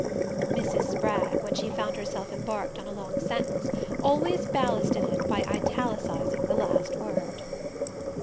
Mrs. Spragg, when she found herself embarked on a long sentence, always ballasted it by italicizing the last word.